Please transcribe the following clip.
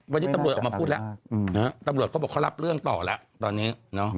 วันนี้ตำรวจออกมาพูดแล้วตำรวจเขาบอกเขารับเรื่องต่อแล้วตอนนี้